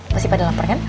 pasti pada lapar kan